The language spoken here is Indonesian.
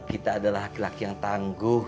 kita adalah laki laki yang tangguh